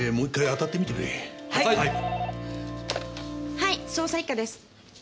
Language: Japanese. はい捜査一課です。